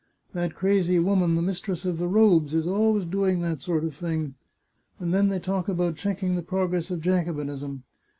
That crazy woman the mistress of the robes is always doing that sort of thing. And then they talk about checking the progress of Jacobinism